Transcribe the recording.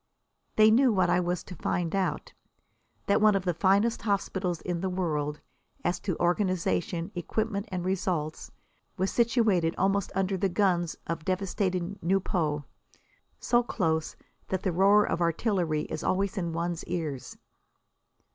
They knew what I was to find out that one of the finest hospitals in the world, as to organisation, equipment and results, was situated almost under the guns of devastated Nieuport, so close that the roar of artillery is always in one's ears.